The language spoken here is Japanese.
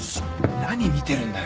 何見てるんだよ？